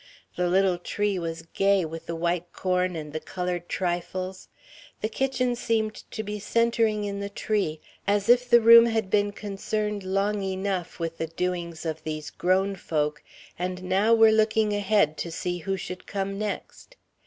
The little tree was gay with the white corn and the coloured trifles. The kitchen seemed to be centering in the tree, as if the room had been concerned long enough with the doings of these grown folk and now were looking ahead to see who should come next.